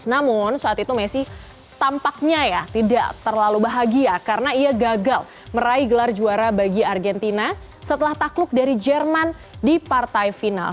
namun saat itu messi tampaknya ya tidak terlalu bahagia karena ia gagal meraih gelar juara bagi argentina setelah takluk dari jerman di partai final